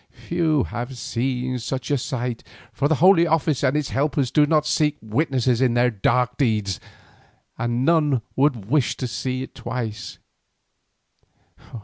Few have seen such a sight, for the Holy Office and its helpers do not seek witnesses to their dark deeds, and none would wish to see it twice.